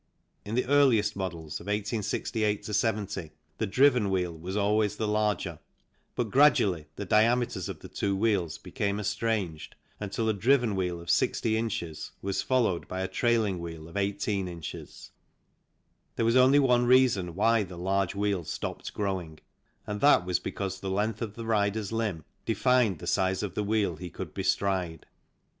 In the earliest models of 1868 70 the driven wheel was always the larger, but gradually the diameters of the two wheels became estranged until a driven wheel of 60 ins. was followed by a trailing wheel of 18 ins. There was only one reason why the large wheel stopped growing, and that was because the length of the rider's limb defined the size of wheel he could bestride.